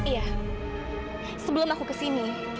iya sebelum aku ke sini